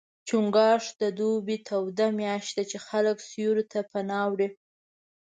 چنګاښ د دوبي توده میاشت ده، چې خلک سیوري ته پناه وړي.